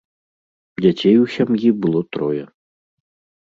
Дзяцей у сям'і было трое.